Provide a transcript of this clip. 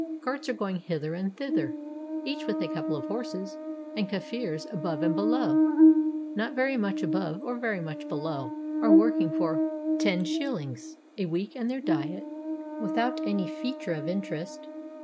Carts are going hither and thither, each with a couple of horses, and Kafirs above and below, — not very much above or very much below, — are working for los. a week and their diet without any fea ture of interest.